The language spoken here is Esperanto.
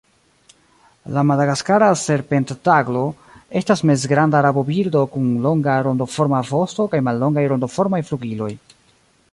La Madagaskara serpentaglo estas mezgranda rabobirdo kun longa rondoforma vosto kaj mallongaj rondoformaj flugiloj.